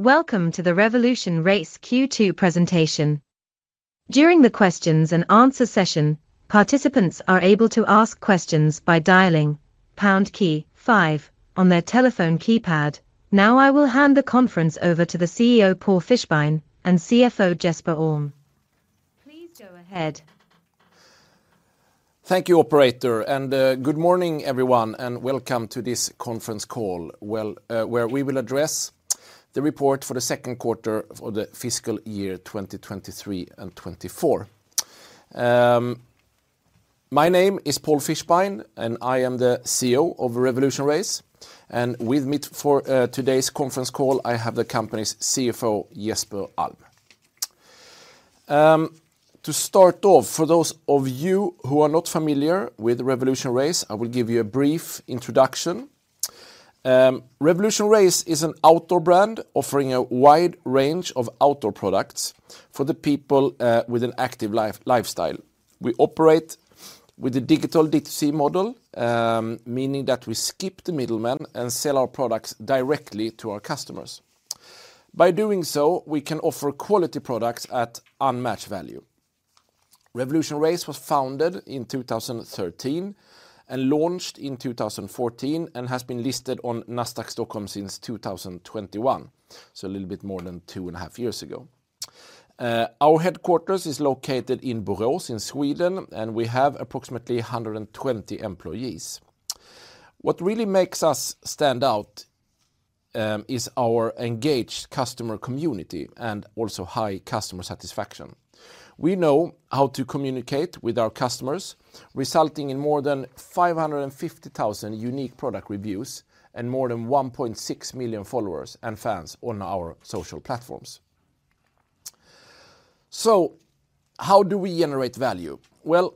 Welcome to the RevolutionRace Q2 presentation. During the questions-and-answer session, participants are able to ask questions by dialing pound key five on their telephone keypad. Now, I will hand the conference over to the CEO, Paul Fischbein, and CFO, Jesper Alm. Please go ahead. Thank you, operator, and good morning, everyone, and welcome to this conference call, where we will address the report for the second quarter of the fiscal year 2023 and 2024. My name is Paul Fischbein, and I am the CEO of RevolutionRace, and with me for today's conference call, I have the company's CFO, Jesper Alm. To start off, for those of you who are not familiar with RevolutionRace, I will give you a brief introduction. RevolutionRace is an outdoor brand offering a wide range of outdoor products for the people with an active lifestyle. We operate with a digital D2C model, meaning that we skip the middleman and sell our products directly to our customers. By doing so, we can offer quality products at unmatched value. RevolutionRace was founded in 2013 and launched in 2014, and has been listed on Nasdaq Stockholm since 2021, so a little bit more than 2.5 years ago. Our headquarters is located in Borås in Sweden, and we have approximately 120 employees. What really makes us stand out is our engaged customer community and also high customer satisfaction. We know how to communicate with our customers, resulting in more than 550,000 unique product reviews and more than 1.6 million followers and fans on our social platforms. So how do we generate value? Well,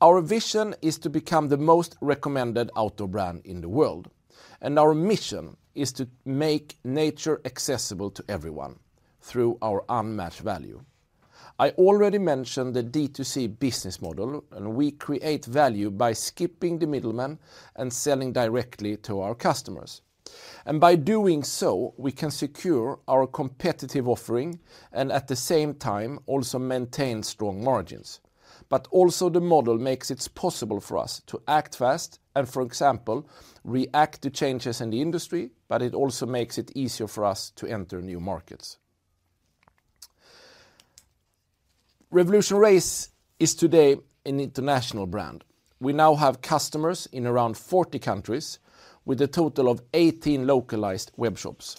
our vision is to become the most recommended outdoor brand in the world, and our mission is to make nature accessible to everyone through our unmatched value. I already mentioned the D2C business model, and we create value by skipping the middleman and selling directly to our customers. By doing so, we can secure our competitive offering and at the same time, also maintain strong margins. But also, the model makes it possible for us to act fast and, for example, react to changes in the industry, but it also makes it easier for us to enter new markets. RevolutionRace is today an international brand. We now have customers in around 40 countries with a total of 18 localized web shops.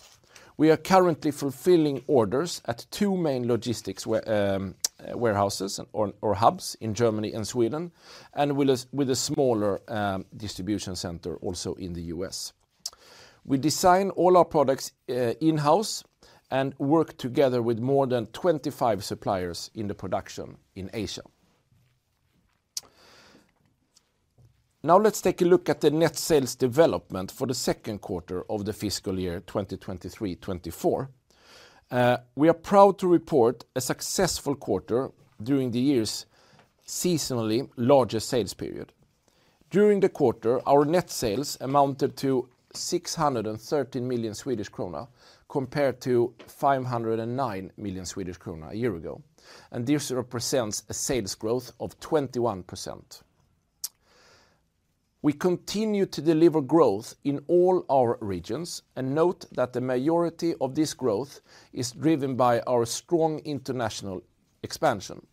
We are currently fulfilling orders at two main logistics warehouses or hubs in Germany and Sweden, and with a smaller distribution center also in the U.S. We design all our products in-house and work together with more than 25 suppliers in the production in Asia. Now, let's take a look at the net sales development for the second quarter of the fiscal year 2023/2024. We are proud to report a successful quarter during the year's seasonally largest sales period. During the quarter, our net sales amounted to 613 million Swedish krona, compared to 509 million Swedish krona a year ago, and this represents a sales growth of 21%. We continue to deliver growth in all our regions and note that the majority of this growth is driven by our strong international expansion.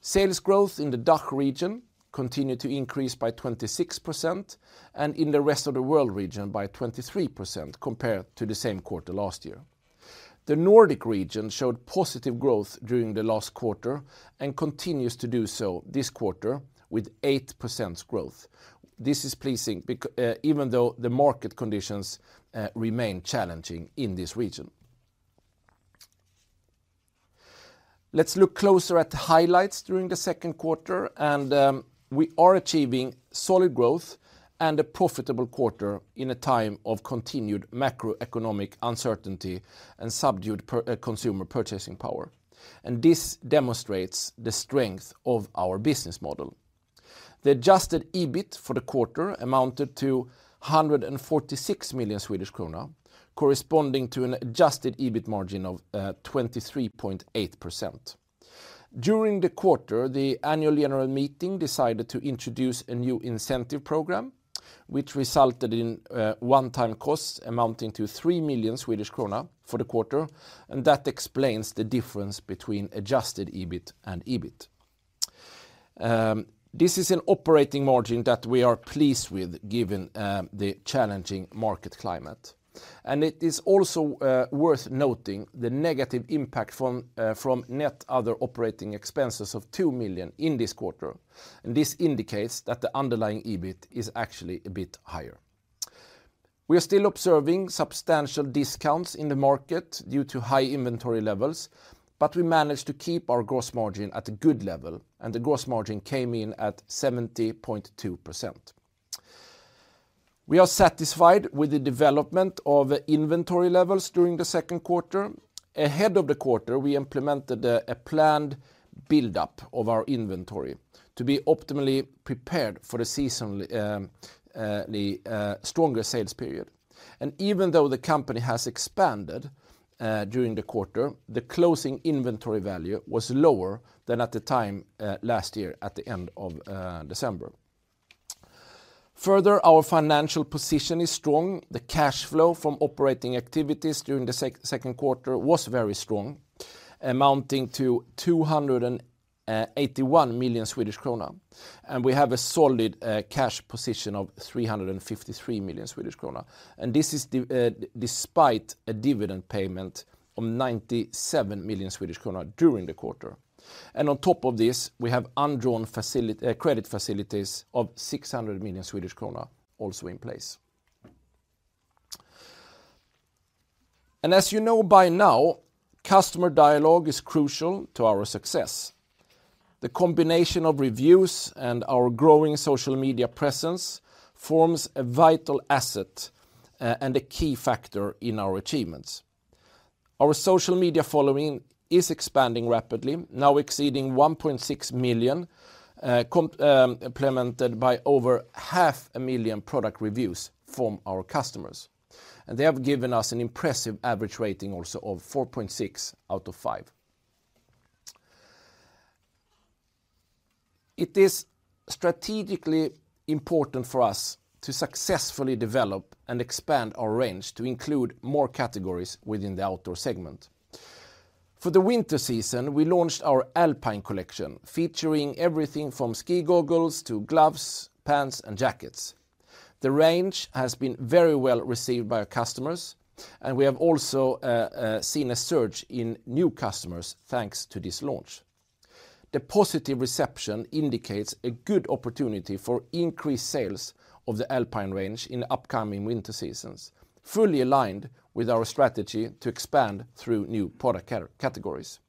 Sales growth in the DACH region continued to increase by 26% and in the Rest of the World region by 23% compared to the same quarter last year. The Nordic region showed positive growth during the last quarter and continues to do so this quarter with 8% growth. This is pleasing because even though the market conditions remain challenging in this region. Let's look closer at the highlights during the second quarter, and we are achieving solid growth and a profitable quarter in a time of continued macroeconomic uncertainty and subdued purchasing consumer purchasing power, and this demonstrates the strength of our business model. The Adjusted EBIT for the quarter amounted to 146 million Swedish krona, corresponding to an Adjusted EBIT margin of 23.8%. During the quarter, the Annual General Meeting decided to introduce a new incentive program, which resulted in one-time costs amounting to 3 million Swedish krona for the quarter, and that explains the difference between Adjusted EBIT and EBIT. This is an operating margin that we are pleased with, given the challenging market climate. It is also worth noting the negative impact from net other operating expenses of 2 million in this quarter, and this indicates that the underlying EBIT is actually a bit higher. We are still observing substantial discounts in the market due to high inventory levels, but we managed to keep our gross margin at a good level, and the gross margin came in at 70.2%. We are satisfied with the development of inventory levels during the second quarter. Ahead of the quarter, we implemented a planned buildup of our inventory to be optimally prepared for the season, the stronger sales period. Even though the company has expanded during the quarter, the closing inventory value was lower than at the time last year, at the end of December. Further, our financial position is strong. The cash flow from operating activities during the second quarter was very strong, amounting to 281 million Swedish krona, and we have a solid cash position of 353 million Swedish krona. On top of this, we have undrawn credit facilities of 600 million Swedish krona also in place. As you know by now, customer dialogue is crucial to our success. The combination of reviews and our growing social media presence forms a vital asset and a key factor in our achievements. Our social media following is expanding rapidly, now exceeding 1.6 million, complemented by over 500,000 product reviews from our customers. They have given us an impressive average rating also of 4.6 out of five. It is strategically important for us to successfully develop and expand our range to include more categories within the outdoor segment. For the winter season, we launched our Alpine Collection, featuring everything from ski goggles to gloves, pants, and jackets. The range has been very well received by our customers, and we have also seen a surge in new customers, thanks to this launch. The positive reception indicates a good opportunity for increased sales of the Alpine range in the upcoming winter seasons, fully aligned with our strategy to expand through new product categories.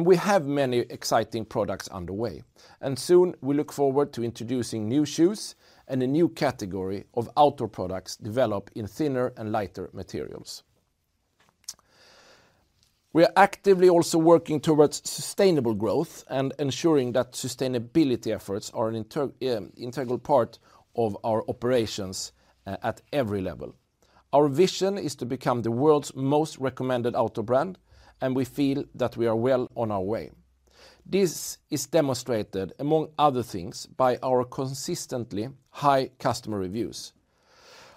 We have many exciting products underway, and soon we look forward to introducing new shoes and a new category of outdoor products developed in thinner and lighter materials. We are actively also working towards sustainable growth and ensuring that sustainability efforts are an integral part of our operations at every level. Our vision is to become the world's most recommended outdoor brand, and we feel that we are well on our way. This is demonstrated, among other things, by our consistently high customer reviews.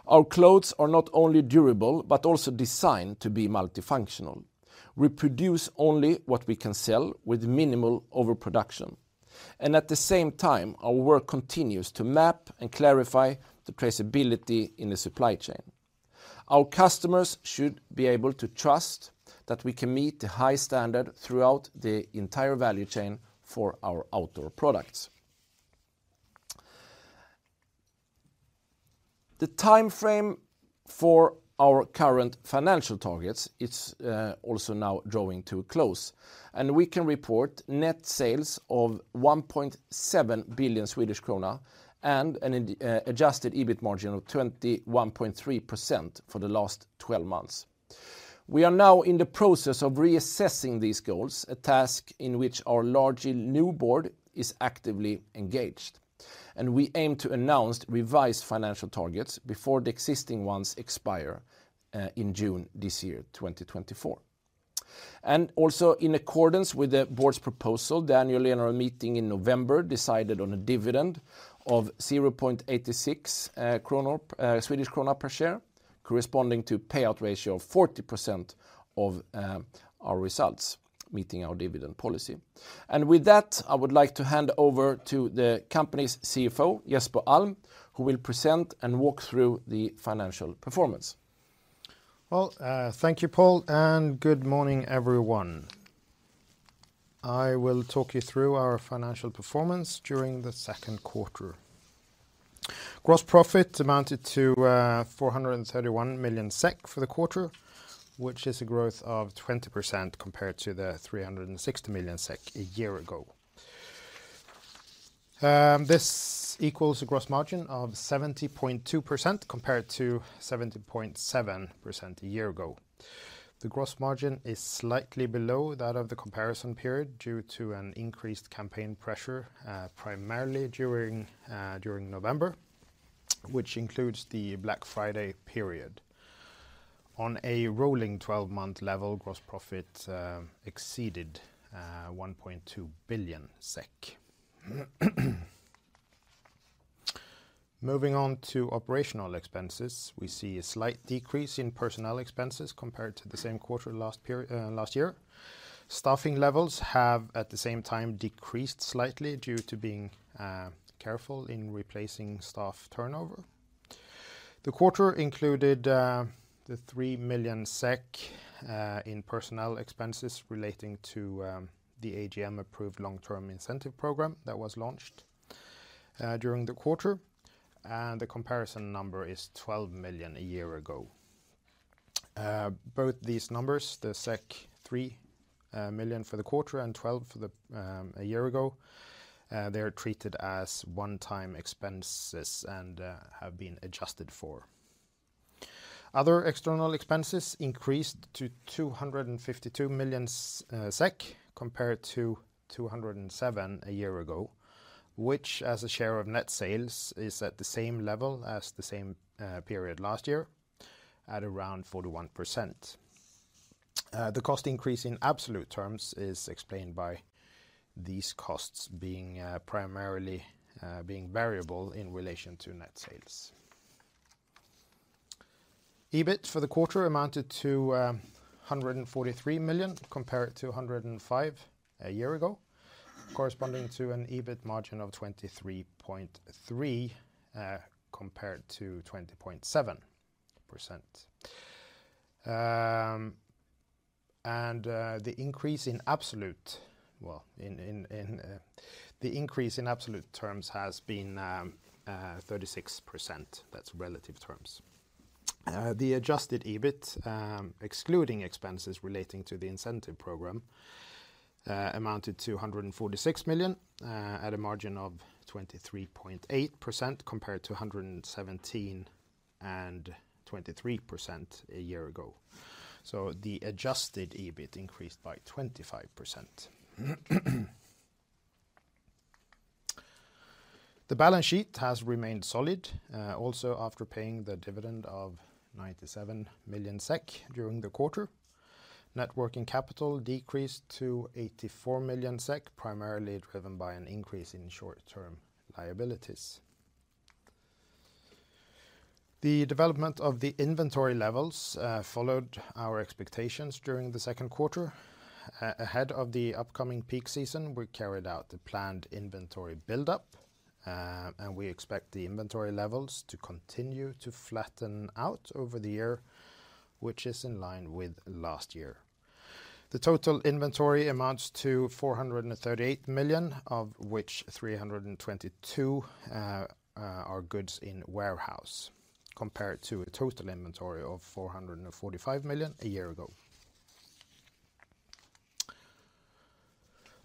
Our clothes are not only durable, but also designed to be multifunctional. We produce only what we can sell, with minimal overproduction. At the same time, our work continues to map and clarify the traceability in the supply chain. Our customers should be able to trust that we can meet the high standard throughout the entire value chain for our outdoor products. The timeframe for our current financial targets, it's also now drawing to a close, and we can report net sales of 1.7 billion Swedish krona and an Adjusted EBIT margin of 21.3% for the last 12 months. We are now in the process of reassessing these goals, a task in which our largely new board is actively engaged, and we aim to announce revised financial targets before the existing ones expire in June this year, 2024. Also, in accordance with the board's proposal, the Annual General Meeting in November decided on a dividend of 0.86 kronor per share, corresponding to payout ratio of 40% of our results, meeting our dividend policy. With that, I would like to hand over to the company's CFO, Jesper Alm, who will present and walk through the financial performance. Well, thank you, Paul, and good morning, everyone. I will talk you through our financial performance during the second quarter. Gross profit amounted to 431 million SEK for the quarter, which is a growth of 20% compared to 360 million SEK a year ago. This equals a gross margin of 70.2%, compared to 70.7% a year ago. The gross margin is slightly below that of the comparison period due to an increased campaign pressure, primarily during November, which includes the Black Friday period. On a rolling twelve-month level, gross profit exceeded 1.2 billion SEK. Moving on to operational expenses, we see a slight decrease in personnel expenses compared to the same quarter last period, last year. Staffing levels have, at the same time, decreased slightly due to being careful in replacing staff turnover. The quarter included the 3 million SEK in personnel expenses relating to the AGM-approved long-term incentive program that was launched during the quarter, and the comparison number is 12 million a year ago. Both these numbers, the 3 million for the quarter and 12 million for a year ago, they're treated as one-time expenses and have been adjusted for. Other external expenses increased to 252 million SEK, compared to 207 million a year ago, which, as a share of net sales, is at the same level as the same period last year, at around 41%. The cost increase in absolute terms is explained by these costs being primarily variable in relation to net sales. EBIT for the quarter amounted to 143 million, compare it to 105 million a year ago, corresponding to an EBIT margin of 23.3%, compared to 20.7%. The increase in absolute terms has been 36%. That's relative terms. The Adjusted EBIT, excluding expenses relating to the incentive program, amounted to 146 million, at a margin of 23.8%, compared to 117 million and 23% a year ago. The Adjusted EBIT increased by 25%. The balance sheet has remained solid, also after paying the dividend of 97 million SEK during the quarter. Net working capital decreased to 84 million SEK, primarily driven by an increase in short-term liabilities. The development of the inventory levels, followed our expectations during the second quarter. Ahead of the upcoming peak season, we carried out the planned inventory buildup, and we expect the inventory levels to continue to flatten out over the year, which is in line with last year. The total inventory amounts to 438 million, of which 322 million are goods in warehouse, compared to a total inventory of 445 million a year ago.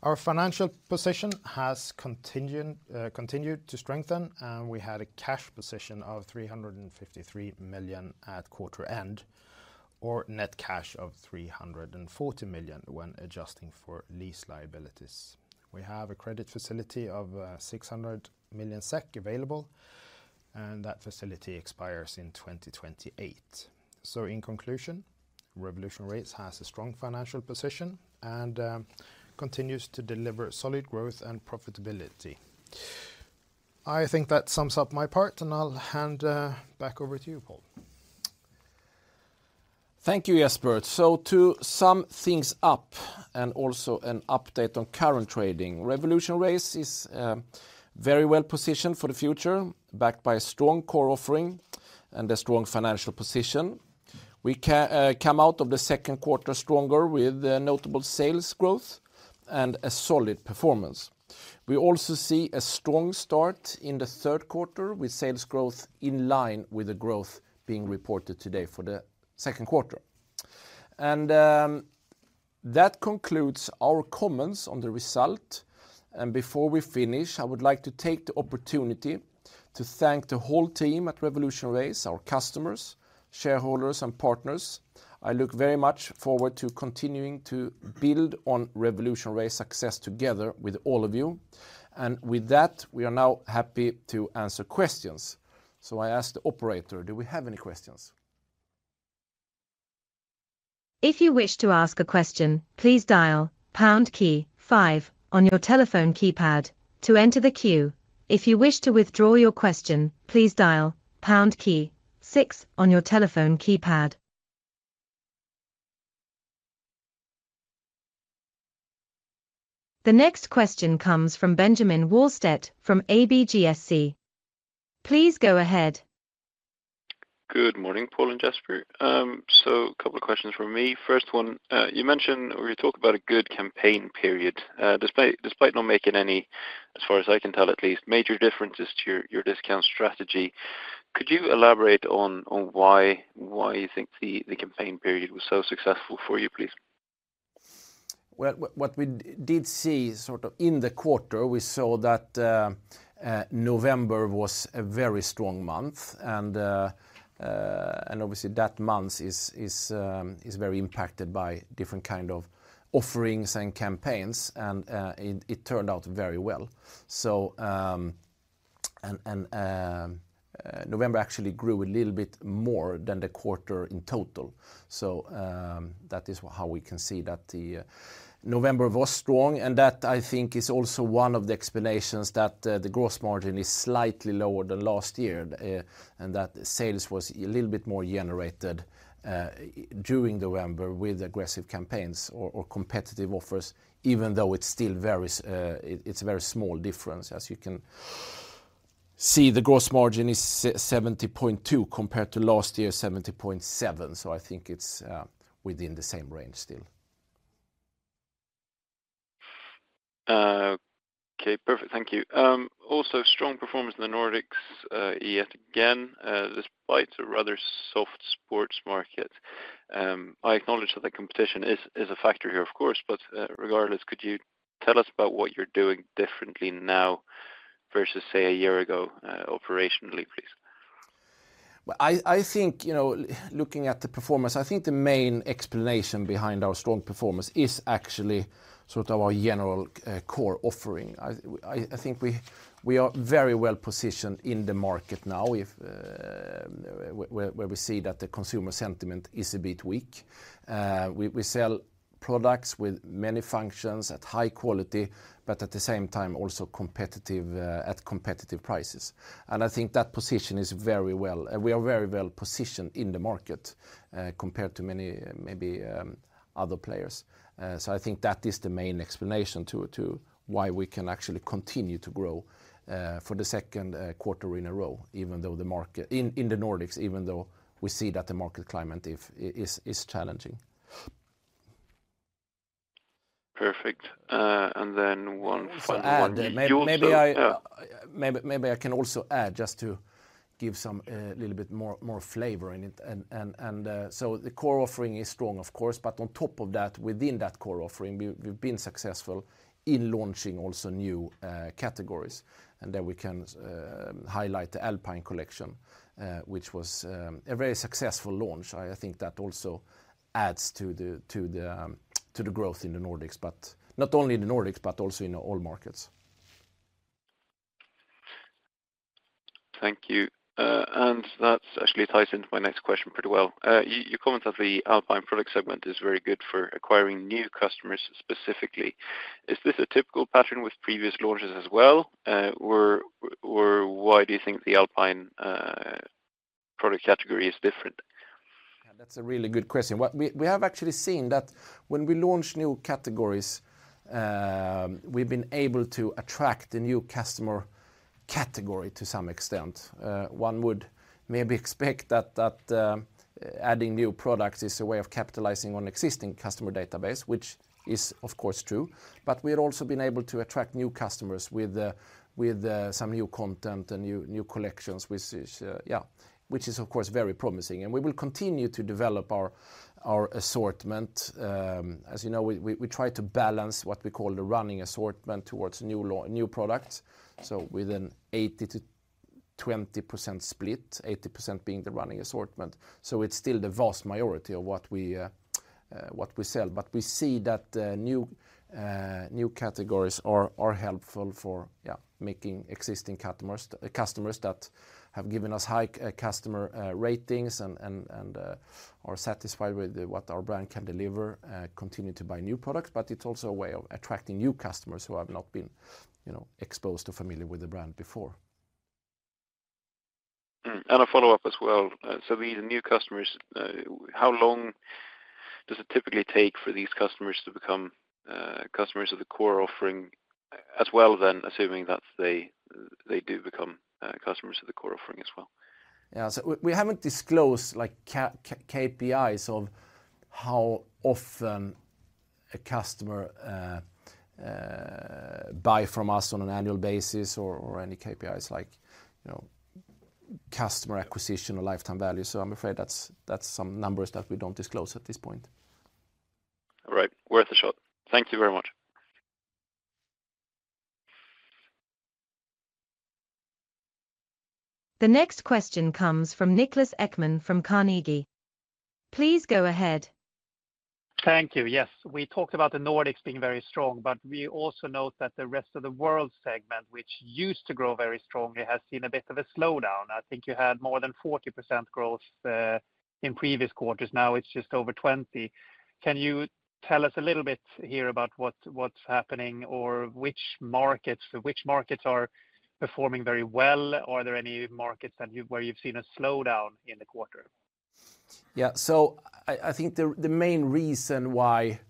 Our financial position has continued to strengthen, and we had a cash position of 353 million at quarter end, or net cash of 340 million when adjusting for lease liabilities. We have a credit facility of 600 million SEK available, and that facility expires in 2028. So in conclusion, RevolutionRace has a strong financial position, and continues to deliver solid growth and profitability. I think that sums up my part, and I'll hand back over to you, Paul. Thank you, Jesper. So to sum things up, and also an update on current trading, RevolutionRace is very well positioned for the future, backed by a strong core offering and a strong financial position. We come out of the second quarter stronger with notable sales growth and a solid performance. We also see a strong start in the third quarter, with sales growth in line with the growth being reported today for the second quarter. And that concludes our comments on the result. And before we finish, I would like to take the opportunity to thank the whole team at RevolutionRace, our customers, shareholders, and partners. I look very much forward to continuing to build on RevolutionRace success together with all of you. And with that, we are now happy to answer questions. So I ask the operator, do we have any questions? If you wish to ask a question, please dial pound key five on your telephone keypad to enter the queue. If you wish to withdraw your question, please dial pound key six on your telephone keypad. The next question comes from Benjamin Wahlstedt from ABGSC. Please go ahead. Good morning, Paul and Jesper. So couple of questions from me. First one, you mentioned, or you talked about a good campaign period, despite not making any, as far as I can tell at least, major differences to your discount strategy. Could you elaborate on why you think the campaign period was so successful for you, please? Well, what we did see, sort of in the quarter, we saw that November was a very strong month, and obviously, that month is very impacted by different kind of offerings and campaigns, and it turned out very well. So, November actually grew a little bit more than the quarter in total. So, that is how we can see that November was strong, and that, I think, is also one of the explanations that the gross margin is slightly lower than last year, and that sales was a little bit more generated during November with aggressive campaigns or competitive offers, even though it's still a very small difference. As you can see, the gross margin is 70.2%, compared to last year, 70.7%. So I think it's within the same range still. ... Okay, perfect. Thank you. Also strong performance in the Nordics, yet again, despite a rather soft sports market. I acknowledge that the competition is a factor here, of course, but regardless, could you tell us about what you're doing differently now versus, say, a year ago, operationally, please? Well, I think, you know, looking at the performance, I think the main explanation behind our strong performance is actually sort of our general core offering. I think we are very well positioned in the market now, where we see that the consumer sentiment is a bit weak. We sell products with many functions at high quality, but at the same time, also competitive at competitive prices. And I think that position is very well. We are very well positioned in the market compared to many, maybe other players. So I think that is the main explanation to why we can actually continue to grow for the second quarter in a row, even though the market in the Nordics, even though we see that the market climate is challenging. Perfect. And then one final one. Maybe I can also add, just to give some little bit more flavor in it. So the core offering is strong, of course, but on top of that, within that core offering, we've been successful in launching also new categories. And then we can highlight the Alpine Collection, which was a very successful launch. I think that also adds to the growth in the Nordics, but not only in the Nordics, but also in all markets. Thank you. That actually ties into my next question pretty well. You commented the Alpine product segment is very good for acquiring new customers specifically. Is this a typical pattern with previous launches as well? Or why do you think the Alpine product category is different? Yeah, that's a really good question. We have actually seen that when we launch new categories, we've been able to attract a new customer category to some extent. One would maybe expect that adding new products is a way of capitalizing on existing customer database, which is, of course, true. But we had also been able to attract new customers with some new content and new collections, which is, of course, very promising. And we will continue to develop our assortment. As you know, we try to balance what we call the running assortment towards new products. So within 80/20 split, 80% being the running assortment. So it's still the vast majority of what we sell. But we see that new categories are helpful for, yeah, making existing customers that have given us high customer ratings and are satisfied with what our brand can deliver continue to buy new products. But it's also a way of attracting new customers who have not been, you know, exposed or familiar with the brand before. A follow-up as well. So these new customers, how long does it typically take for these customers to become customers of the core offering as well, then, assuming that they, they do become customers of the core offering as well? Yeah. So we haven't disclosed, like, KPIs of how often a customer buy from us on an annual basis or any KPIs like, you know, customer acquisition or lifetime value. So I'm afraid that's some numbers that we don't disclose at this point. All right. Worth a shot. Thank you very much. The next question comes from Niklas Ekman from Carnegie. Please go ahead. Thank you. Yes, we talked about the Nordics being very strong, but we also note that the Rest of the World segment, which used to grow very strongly, has seen a bit of a slowdown. I think you had more than 40% growth in previous quarters. Now, it's just over 20%. Can you tell us a little bit here about what, what's happening, or which markets, which markets are performing very well? Are there any markets where you've seen a slowdown in the quarter? Yeah. So I think the main reason why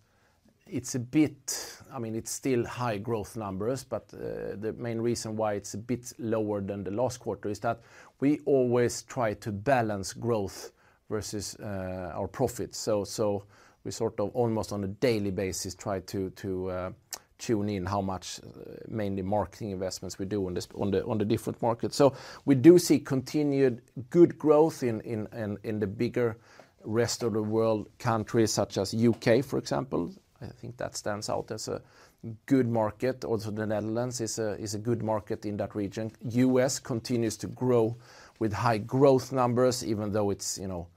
it's a bit, I mean, it's still high growth numbers, but the main reason why it's a bit lower than the last quarter is that we always try to balance growth versus our profits. So we sort of almost on a daily basis try to tune in how much, mainly marketing investments we do on the different markets. So we do see continued good growth in the bigger Rest of the World countries such as U.K., for example. I think that stands out as a good market. Also, the Netherlands is a good market in that region. U.S. continues to grow with high growth numbers, even though it's, you know,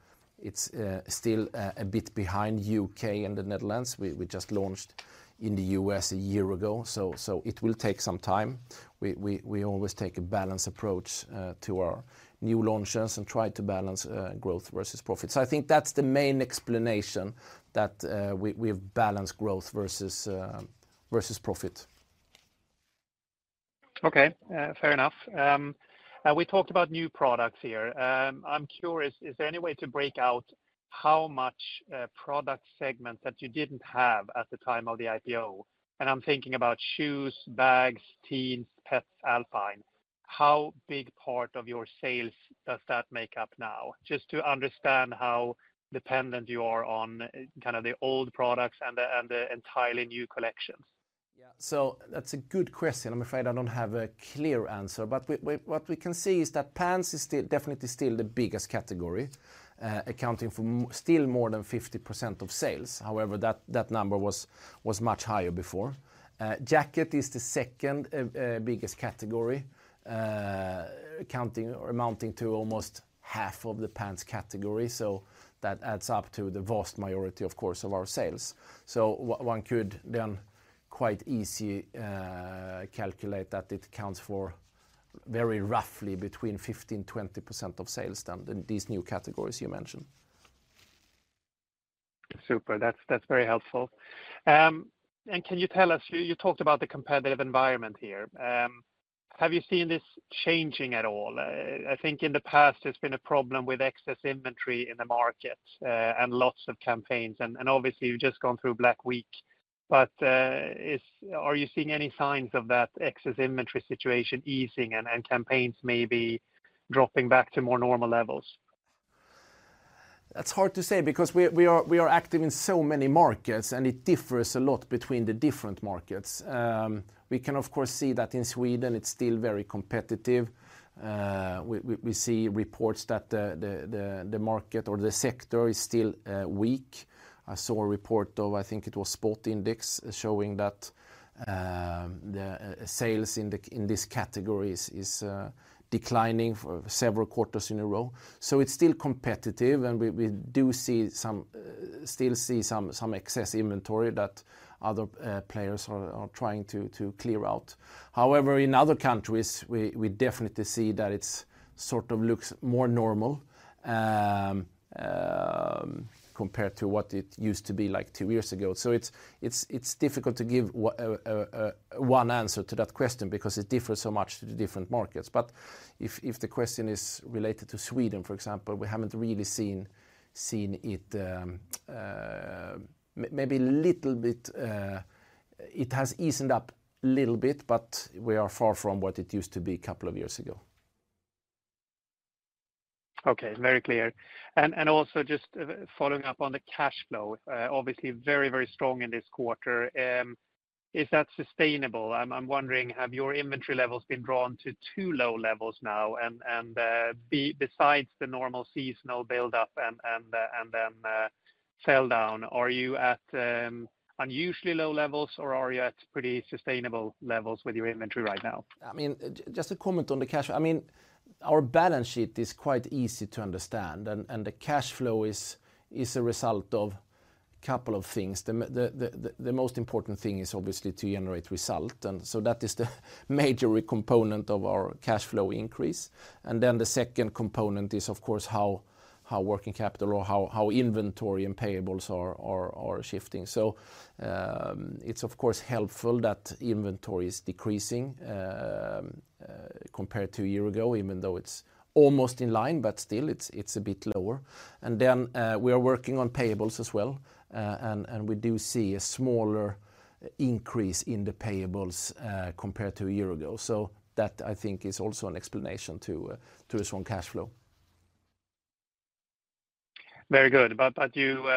it's still a bit behind U.K. and the Netherlands. We just launched in the U.S. a year ago, so it will take some time. We always take a balanced approach to our new launches and try to balance growth versus profit. So I think that's the main explanation, that we've balanced growth versus profit. Okay, fair enough. We talked about new products here. I'm curious, is there any way to break out how much, product segments that you didn't have at the time of the IPO? And I'm thinking about shoes, bags, teens, pets, Alpine.... how big part of your sales does that make up now? Just to understand how dependent you are on, kind of, the old products and the, and the entirely new collections. Yeah. So that's a good question. I'm afraid I don't have a clear answer, but what we can see is that pants is still, definitely still the biggest category, accounting for still more than 50% of sales. However, that number was much higher before. Jacket is the second biggest category, accounting or amounting to almost half of the pants category. So that adds up to the vast majority, of course, of our sales. So one could then quite easy calculate that it accounts for very roughly between 15%-20% of sales done in these new categories you mentioned. Super. That's, that's very helpful. And can you tell us, you, you talked about the competitive environment here. Have you seen this changing at all? I think in the past, there's been a problem with excess inventory in the market, and lots of campaigns, and obviously, you've just gone through Black Week. But, are you seeing any signs of that excess inventory situation easing, and campaigns maybe dropping back to more normal levels? That's hard to say because we are active in so many markets, and it differs a lot between the different markets. We can, of course, see that in Sweden, it's still very competitive. We see reports that the market or the sector is still weak. I saw a report of, I think it was Sportindex, showing that the sales in this category is declining for several quarters in a row. So it's still competitive, and we do see some still see some excess inventory that other players are trying to clear out. However, in other countries, we definitely see that it's sort of looks more normal, compared to what it used to be like two years ago. So it's difficult to give one answer to that question because it differs so much to the different markets. But if the question is related to Sweden, for example, we haven't really seen it. Maybe a little bit, it has eased up a little bit, but we are far from what it used to be a couple of years ago. Okay, very clear. And also just following up on the cash flow, obviously very, very strong in this quarter. Is that sustainable? I'm wondering, have your inventory levels been drawn to too low levels now? And besides the normal seasonal build-up and then sell down, are you at unusually low levels, or are you at pretty sustainable levels with your inventory right now? I mean, just to comment on the cash, I mean, our balance sheet is quite easy to understand, and the cash flow is a result of couple of things. The most important thing is obviously to generate result, and so that is the major component of our cash flow increase. And then the second component is, of course, how working capital or how inventory and payables are shifting. So, it's of course helpful that inventory is decreasing compared to a year ago, even though it's almost in line, but still, it's a bit lower. And then we are working on payables as well. And we do see a smaller increase in the payables compared to a year ago. That, I think, is also an explanation to a strong cash flow. Very good. But you,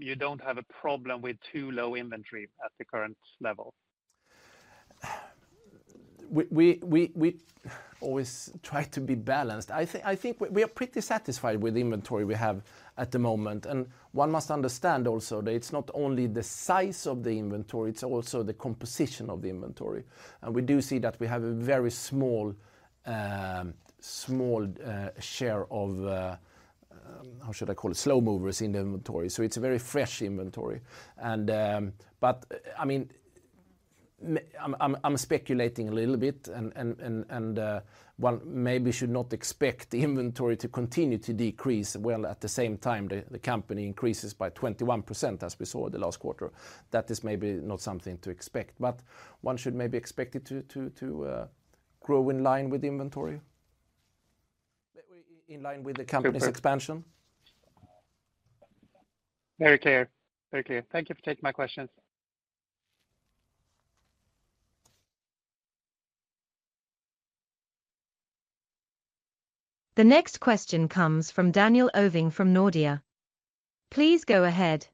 you don't have a problem with too low inventory at the current level? We always try to be balanced. I think we are pretty satisfied with the inventory we have at the moment. One must understand also that it's not only the size of the inventory, it's also the composition of the inventory. And we do see that we have a very small share of, how should I call it? Slow movers in the inventory, so it's a very fresh inventory. But I mean, I'm speculating a little bit and, well, maybe should not expect the inventory to continue to decrease, well, at the same time, the company increases by 21%, as we saw the last quarter. That is maybe not something to expect, but one should maybe expect it to grow in line with the inventory. In line with the company's expansion. Very clear. Very clear. Thank you for taking my questions. The next question comes from Daniel Ovin from Nordea. Please go ahead.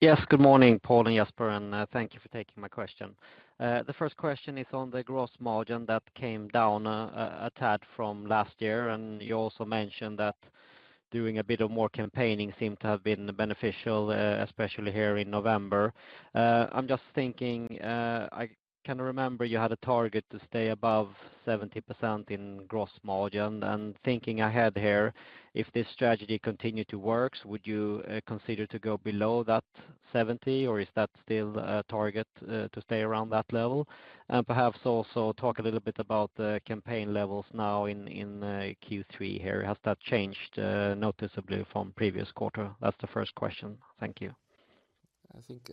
Yes, good morning, Paul and Jesper, and, thank you for taking my question. The first question is on the gross margin that came down, a tad from last year, and you also mentioned that doing a bit of more campaigning seemed to have been beneficial, especially here in November. I'm just thinking, I kind of remember you had a target to stay above 70% in gross margin. And thinking ahead here, if this strategy continue to work, would you, consider to go below that seventy, or is that still a target, to stay around that level? And perhaps also talk a little bit about the campaign levels now in, in, Q3 here. Has that changed, noticeably from previous quarter? That's the first question. Thank you. I think,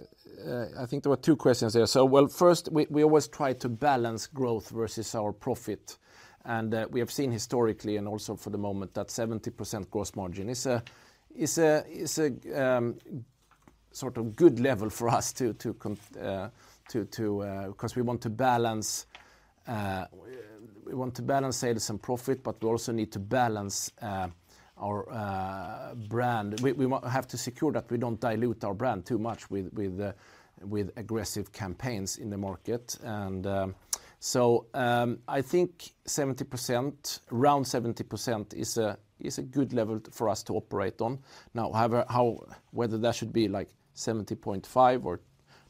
I think there were two questions there. So, well, first, we always try to balance growth versus our profit, and we have seen historically and also for the moment, that 70% gross margin is a sort of good level for us to, because we want to balance sales and profit, but we also need to balance our brand. We have to secure that we don't dilute our brand too much with aggressive campaigns in the market. And, so, I think 70%, around 70% is a good level for us to operate on. Now, however, whether that should be, like, 70.5% or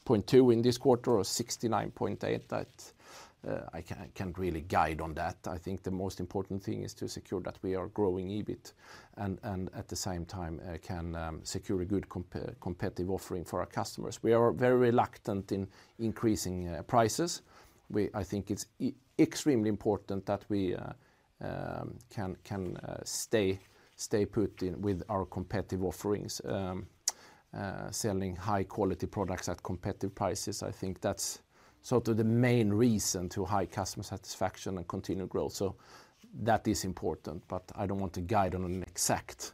70.2% in this quarter or 69.8%, that, I can, I can't really guide on that. I think the most important thing is to secure that we are growing EBIT, and at the same time, can secure a good competitive offering for our customers. We are very reluctant in increasing prices. I think it's extremely important that we can stay put in with our competitive offerings. Selling high-quality products at competitive prices, I think that's sort of the main reason to high customer satisfaction and continued growth, so that is important. But I don't want to guide on an exact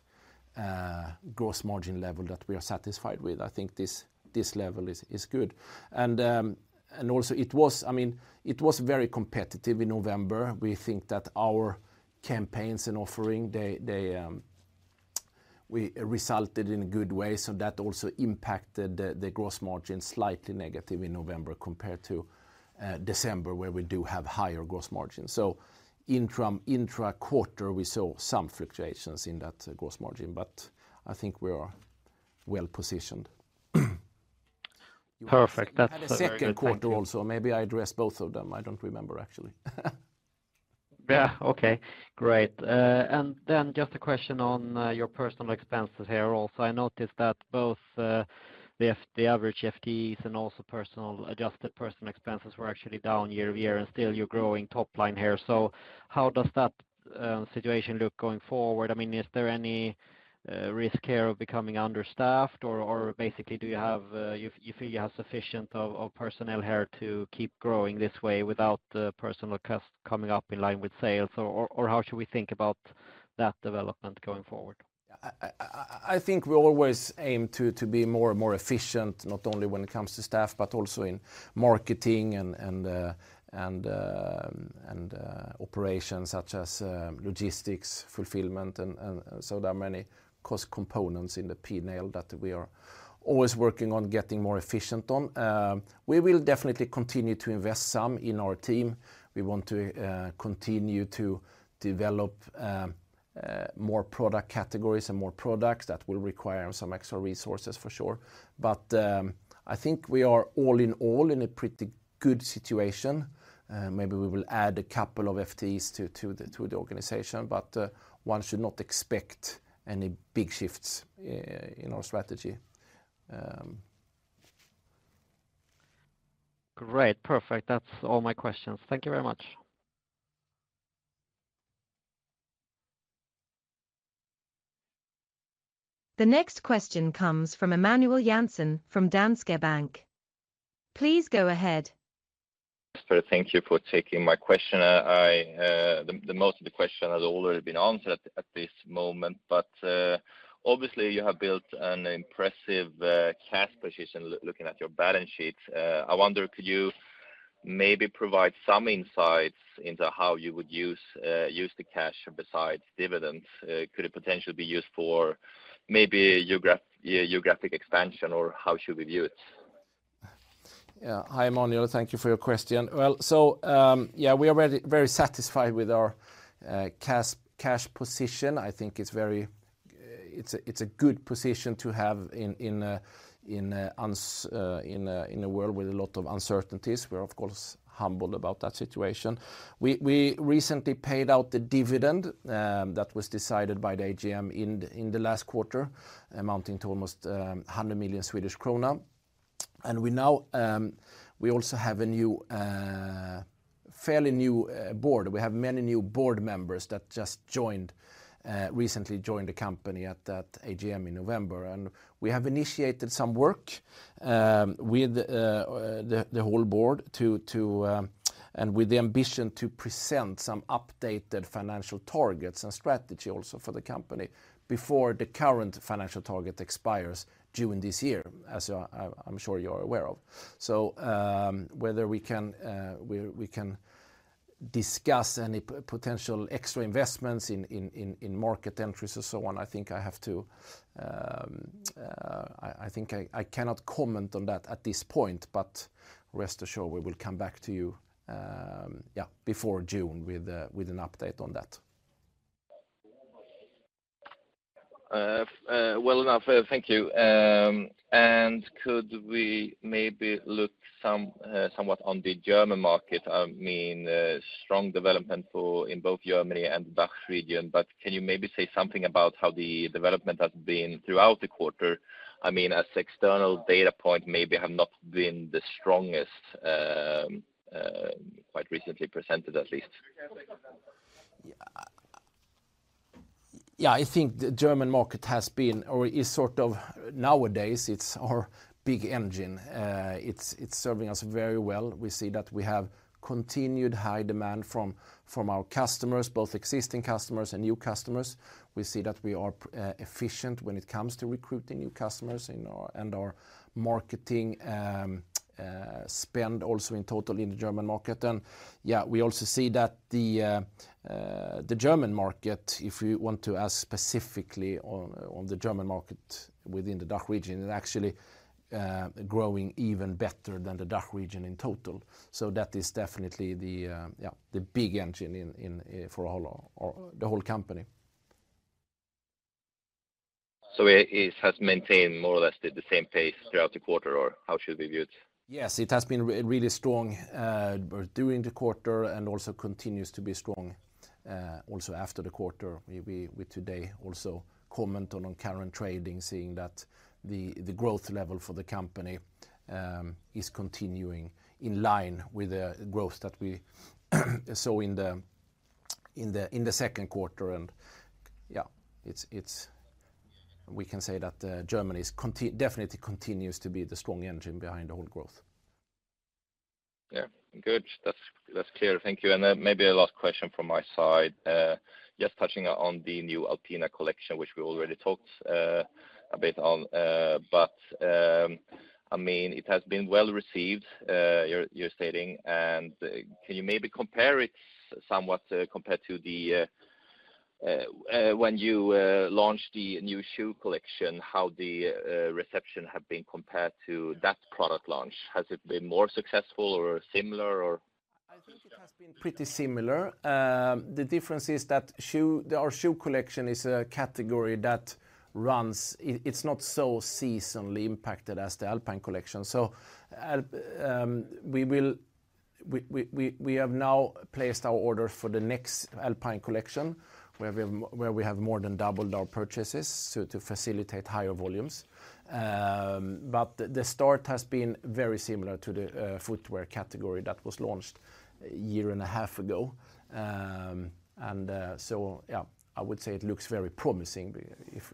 gross margin level that we are satisfied with. I think this level is good. And also it was... I mean, it was very competitive in November. We think that our campaigns and offering, they resulted in a good way, so that also impacted the gross margin slightly negative in November compared to December, where we do have higher gross margin. So intra quarter, we saw some fluctuations in that gross margin, but I think we are well-positioned. Perfect. That's very good. Thank you. We had a second quarter also. Maybe I addressed both of them. I don't remember, actually. Yeah, okay. Great. And then just a question on your personnel expenses here also. I noticed that both the average FTEs and also personnel and adjusted personnel expenses were actually down year-over-year, and still you're growing top line here. So how does that situation look going forward? I mean, is there any risk here of becoming understaffed, or basically, do you feel you have sufficient personnel here to keep growing this way without the personnel cost coming up in line with sales? Or how should we think about that development going forward? I think we always aim to be more and more efficient, not only when it comes to staff, but also in marketing and operations, such as logistics, fulfillment, and so there are many cost components in the P&L that we are always working on getting more efficient on. We will definitely continue to invest some in our team. We want to continue to develop more product categories and more products. That will require some extra resources, for sure. But I think we are, all in all, in a pretty good situation. Maybe we will add a couple of FTEs to the organization, but one should not expect any big shifts in our strategy. Great. Perfect. That's all my questions. Thank you very much. The next question comes from Emanuel Jansson from Danske Bank. Please go ahead. Sir, thank you for taking my question. Most of the question has already been answered at this moment, but obviously, you have built an impressive cash position looking at your balance sheet. I wonder, could you maybe provide some insights into how you would use the cash besides dividends? Could it potentially be used for maybe geographic expansion, or how should we view it? Yeah. Hi, Emmanuel. Thank you for your question. Well, so, yeah, we are very, very satisfied with our cash position. I think it's very—it's a good position to have in a world with a lot of uncertainties. We're, of course, humbled about that situation. We recently paid out the dividend that was decided by the AGM in the last quarter, amounting to almost 100 million Swedish krona. And we now also have a new, fairly new board. We have many new board members that just joined recently the company at that AGM in November, and we have initiated some work with the whole board to... With the ambition to present some updated financial targets and strategy also for the company before the current financial target expires during this year, as I'm sure you're aware of. So, whether we can discuss any potential extra investments in market entries and so on, I think I cannot comment on that at this point, but rest assured, we will come back to you before June with an update on that. Well enough, thank you. Could we maybe look somewhat on the German market? I mean, strong development in both Germany and DACH region, but can you maybe say something about how the development has been throughout the quarter? I mean, as external data point, maybe have not been the strongest, quite recently presented at least. Yeah, yeah, I think the German market has been, or is sort of nowadays, it's our big engine. It's serving us very well. We see that we have continued high demand from our customers, both existing and new customers. We see that we are efficient when it comes to recruiting new customers in our and our marketing spend also in total in the German market. And, yeah, we also see that the German market, if you want to ask specifically on the German market within the DACH region, is actually growing even better than the DACH region in total. So that is definitely the big engine for the whole company. So it has maintained more or less the same pace throughout the quarter, or how should we view it? Yes, it has been really strong both during the quarter and also continues to be strong also after the quarter. We today also comment on current trading, seeing that the growth level for the company is continuing in line with the growth that we saw in the second quarter. Yeah, it's—we can say that Germany's definitely continues to be the strong engine behind the whole growth. Yeah. Good. That's, that's clear. Thank you. And then maybe a last question from my side. Just touching on the new Alpine Collection, which we already talked a bit on, but, I mean, it has been well received, you're stating, and, can you maybe compare it somewhat, compared to the, when you launched the new shoe collection, how the reception have been compared to that product launch? Has it been more successful or similar, or? I think it has been pretty similar. The difference is that our shoe collection is a category that runs. It is not so seasonally impacted as the Alpine Collection. So we have now placed our order for the next Alpine Collection, where we have more than doubled our purchases, so to facilitate higher volumes. But the start has been very similar to the footwear category that was launched a year and a half ago. And so, yeah, I would say it looks very promising.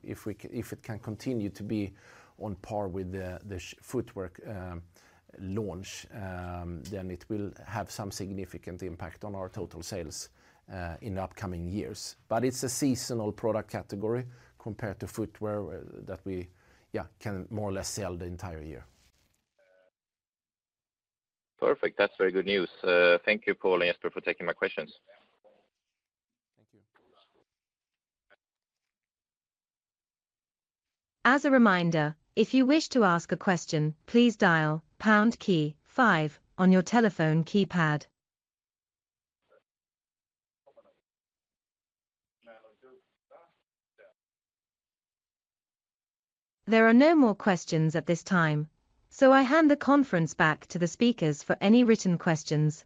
If it can continue to be on par with the footwear launch, then it will have some significant impact on our total sales in the upcoming years. But it's a seasonal product category compared to footwear that we can more or less sell the entire year. Perfect. That's very good news. Thank you, Paul and Jesper, for taking my questions. Thank you. As a reminder, if you wish to ask a question, please dial pound key five on your telephone keypad. There are no more questions at this time, so I hand the conference back to the speakers for any written questions.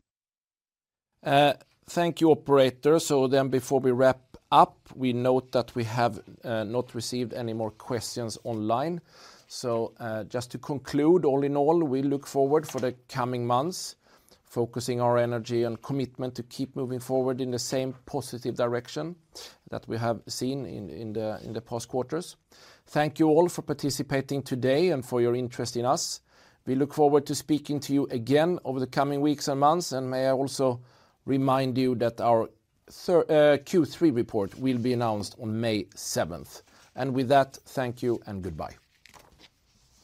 Thank you, operator. So then before we wrap up, we note that we have not received any more questions online. So just to conclude, all in all, we look forward for the coming months, focusing our energy and commitment to keep moving forward in the same positive direction that we have seen in the past quarters. Thank you all for participating today and for your interest in us. We look forward to speaking to you again over the coming weeks and months, and may I also remind you that our Q3 report will be announced on May 7th. And with that, thank you and goodbye.